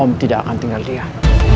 om tidak akan tinggal lihat